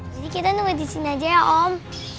jadi kita nunggu disini aja ya om